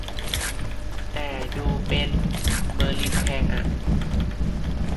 แต่ดูเป็น เบอร์ลินแพงอ่ะ